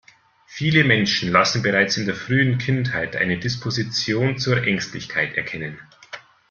Viele Menschen lassen bereits in der frühen Kindheit eine Disposition zur Ängstlichkeit erkennen.